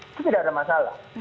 itu tidak ada masalah